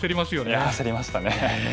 いや焦りましたね。